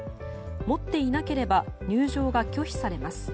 持っていなければ入場が拒否されます。